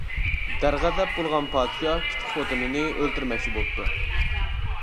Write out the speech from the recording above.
دەر غەزەپ بولغان پادىشاھ كىچىك خوتۇنىنى ئۆلتۈرمەكچى بوپتۇ.